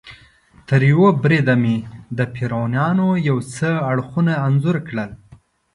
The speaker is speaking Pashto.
تریوه بریده مې د فرعونیانو یو څه اړخونه انځور کړل.